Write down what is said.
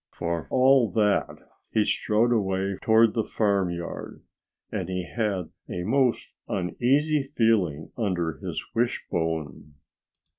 For all that, he strode away towards the farmyard. And he had a most uneasy feeling under his wishbone.